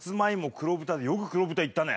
黒豚でよく黒豚いったね。